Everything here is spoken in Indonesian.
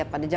di motor ya